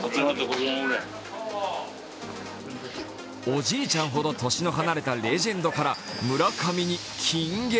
おじいちゃんほど年の離れたレジェンドから村上に金言。